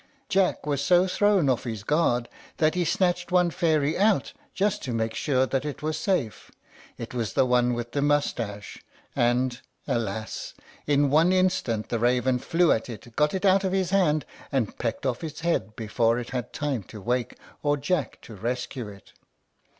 Jack was so thrown off his guard that he snatched one fairy out, just to make sure that it was safe. It was the one with the mustache; and, alas! in one instant the raven flew at it, got it out of his hand, and pecked off its head before it had time to wake or Jack to rescue it.